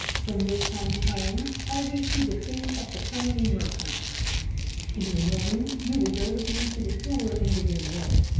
From this time on I wish you to think of becoming a merchant. In the morning you will go with me to the store and begin work.